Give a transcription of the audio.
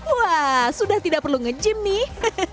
wah sudah tidak perlu nge gym nih